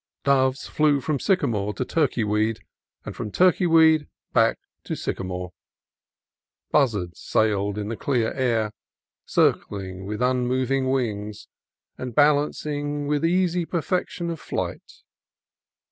Doves flew from sycamore to turkey weed and from turkey weed back to sycamore. Buz zards sailed in the clear air, circling with unmoving wings, and balancing with easy perfection of flight.